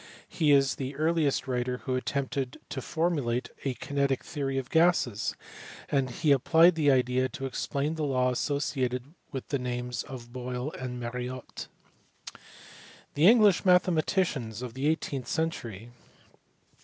He is the earliest writer who attempted to formulate a kinetic theory of gases, and he applied the idea to explain the law associated with the names of Boyle and Mariotte. The English mathematicians of the eighteenth century.